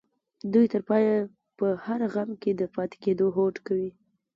دوی تر پايه په هر غم کې د پاتې کېدو هوډ کوي.